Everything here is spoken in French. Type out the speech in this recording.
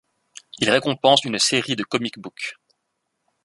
Il récompense une série de comic book.